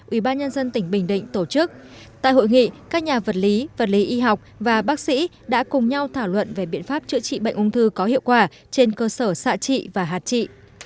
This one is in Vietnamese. ủy ban nhân dân tỉnh bình định tổ chức tại hội nghị các nhà vật lý vật lý y học và bác sĩ đã cùng nhau thảo luận về biện pháp chữa trị bệnh ung thư có hiệu quả trên cơ sở xạ trị và hạt trị